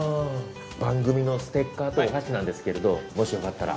番組のステッカーとお箸なんですけれどもしよかったら。